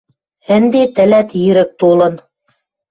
— Ӹнде тӹлӓт ирӹк толын...